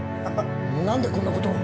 何でこんな事を？